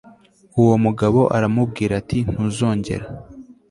uwo mugabo aramubwira ati ntuzongera